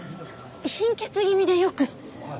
貧血気味でよく。